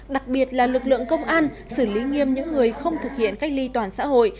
đặc biệt là lực lượng công an xử lý nghiêm những người không thực hiện cách ly toàn xã hội